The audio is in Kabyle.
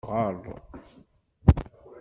Ɣeṛ.